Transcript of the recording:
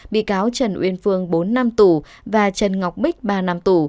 bị cáo trần uyên phương bốn năm tù và trần ngọc bích ba năm tù